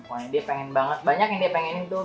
pokoknya dia pengen banget banyak yang dia pengenin tuh